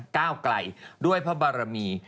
ก้าวไกลด้วยพระบารมี